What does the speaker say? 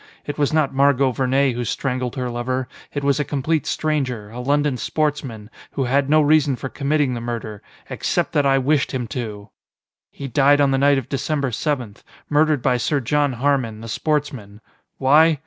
It was not Margot Vernee who strangled her lover: it was a complete stranger, a London sportsman, who had no reason for committing the murder, except that I wished him to! "He died on the night of December seventh, murdered by Sir John Harmon, the sportsman. Why?